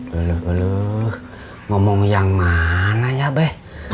beluh beluh ngomong yang mana ya be